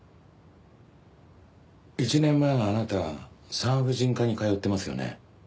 １年前あなた産婦人科に通ってますよね。